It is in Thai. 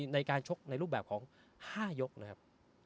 ในการชกในรูปแบบของ๕ยกนะครับ